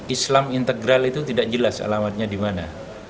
islam integral itu tidak jelas alamatnya di mana